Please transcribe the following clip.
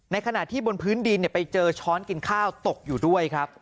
ขณะที่บนพื้นดินไปเจอช้อนกินข้าวตกอยู่ด้วยครับ